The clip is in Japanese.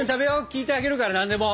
聞いてあげるから何でも。